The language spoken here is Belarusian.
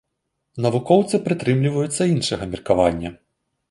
Навукоўцы прытрымліваюцца іншага меркавання.